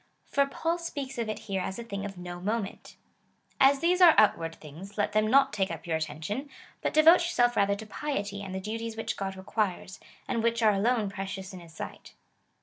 For Paul speaks of it here as a thing of no moment : "As these are outward things, let them not take up your attention, but 248 COMMENTARY ON THE CHAP. VII. 20. devote yourself rather to piety and the duties which God requires, and which arc alone precious in his sight."